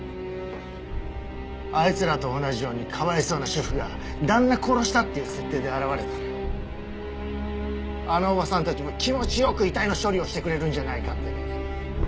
あいつらと同じようにかわいそうな主婦が旦那殺したっていう設定で現れたらあのおばさんたちも気持ちよく遺体の処理をしてくれるんじゃないかってね。